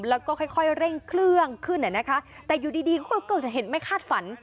แล้วก็ค่อยเร่งเครื่องขึ้นเลยนะคะแต่อยู่ดีก็เห็นไม่คาดฝัน